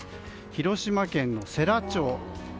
広島県の世羅町。